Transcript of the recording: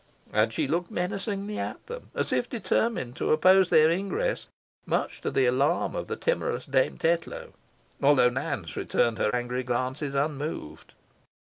And she looked menacingly at them, as if determined to oppose their ingress, much to the alarm of the timorous Dame Tetlow, though Nance returned her angry glances unmoved.